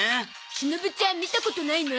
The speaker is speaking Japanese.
忍ちゃん見たことないの？